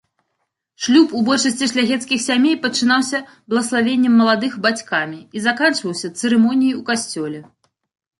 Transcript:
Шлюб у большасці шляхецкіх сямей пачынаўся блаславеннем маладых бацькамі і заканчваўся цырымоніяй у касцёле.